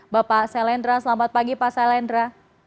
bapak selendra selamat pagi pak selendra